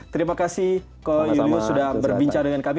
terima kasih ko yulius sudah berbincang dengan kami